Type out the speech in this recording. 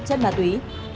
trên mặt túy